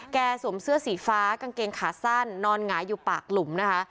สวมเสื้อสีฟ้ากางเกงขาสั้นนอนหงายอยู่ปากหลุมนะคะ